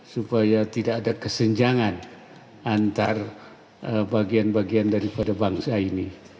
supaya tidak ada kesenjangan antar bagian bagian daripada bangsa ini